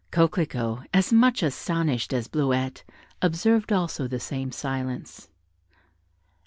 Coquelicot, as much astonished as Bleuette, observed also the same silence.